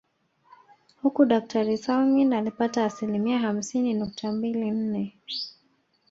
Huku daktari Salmin alipata asilimia hamsini nukta mbili nne